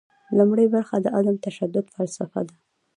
لومړۍ برخه د عدم تشدد فلسفه ده.